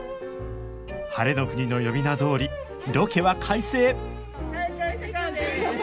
晴れの国の呼び名どおりロケは快晴！